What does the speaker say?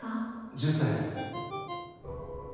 １０歳です。